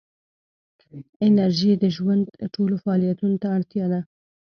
انرژي د ژوند ټولو فعالیتونو ته اړتیا ده.